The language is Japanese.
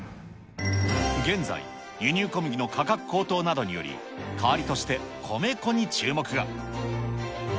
現在、輸入小麦の価格高騰などにより、代わりとして米粉に注目が。